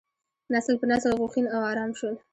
نسل په نسل غوښین او ارام شول.